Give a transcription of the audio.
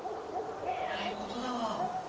えらいことだわ。